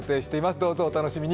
どうぞお楽しみに。